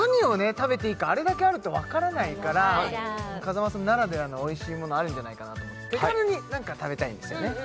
食べていいかあれだけあるとわからないから風間さんならではのおいしいものあるんじゃないかなと思って手軽になんか食べたいんですよね